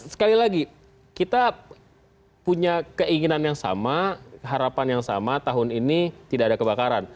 sekali lagi kita punya keinginan yang sama harapan yang sama tahun ini tidak ada kebakaran